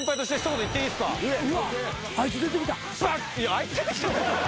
うわっあいつ出てきた。